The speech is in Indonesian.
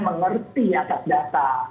mengerti asap data